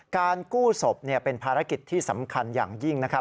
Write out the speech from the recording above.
การกู้ศพเป็นภารกิจที่สำคัญอย่างยิ่ง